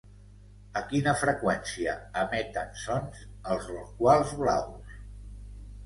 A quina freqüència emeten sons els rorquals blaus?